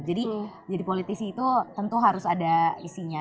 jadi politisi itu tentu harus ada isinya